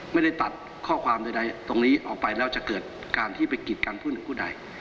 ไม่ได้ตัดข้อความใดตรงนี้ออกไปแล้วจะเกิดการที่ไปกิดกันพูดถึงผู้ใด